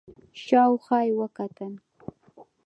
شاو خوا يې وکتل.